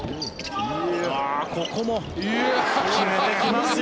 ここも決めてきますよ。